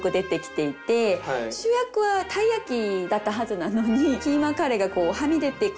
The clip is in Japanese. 主役はたい焼きだったはずなのにキーマカレーがはみ出てくる